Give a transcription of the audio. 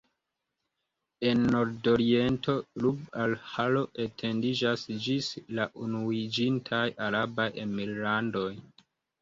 En nordoriento Rub-al-Ĥalo etendiĝas ĝis la Unuiĝintaj Arabaj Emirlandoj.